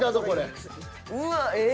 うわっええ。